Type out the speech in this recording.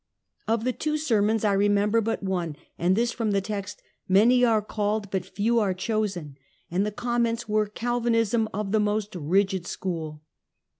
Of the two sermons I remember but one, and this from the text "Many are called but few are chosen," and the comments were Calvinism of the most rigid school.